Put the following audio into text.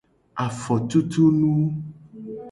Afotutunu.